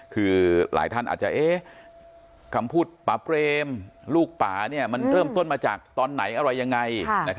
คือหลายท่านอาจจะคำพูดป่าเปรมลูกป่ามันเริ่มต้นมาจากตอนไหนอะไรยังไง